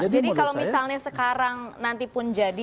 jadi kalau misalnya sekarang nanti pun jadi